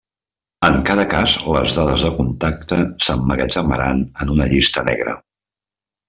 En cada cas, les dades de contacte s'emmagatzemaran en una llista negra.